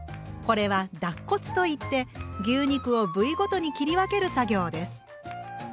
これは「脱骨」と言って牛肉を部位ごとに切り分ける作業です。